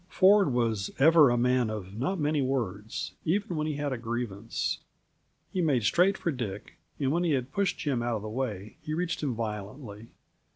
Ford was ever a man of not many words, even when he had a grievance. He made straight for Dick, and when he had pushed Jim out of the way, he reached him violently.